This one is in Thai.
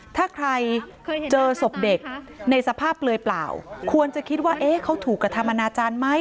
ถ้าใครเจอศพเด็กในสภาพเปลือยเปล่าควรจะคิดว่าเอ๊ะเขาถูกกระทำอนาจารย์ไหม